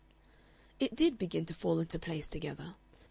It did begin to fall into place together.